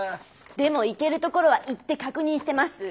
でも行けるところは行って確認してます。